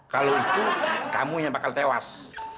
kalo itu kamu yang bakal tewas